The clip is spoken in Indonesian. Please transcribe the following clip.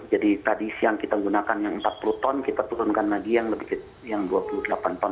jadi tadi siang kita gunakan yang empat puluh ton kita turunkan lagi yang lebih kecil yang dua puluh delapan ton